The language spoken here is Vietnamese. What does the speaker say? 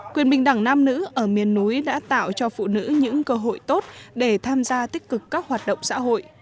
quyền bình đẳng nam nữ ở miền núi đã tạo cho phụ nữ những cơ hội tốt để tham gia tích cực các hoạt động xã hội